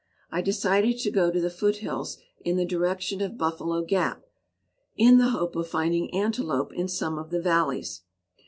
I decided to go to the foot hills in the direction of Buffalo Gap, in the hope of finding antelope in some of the valleys.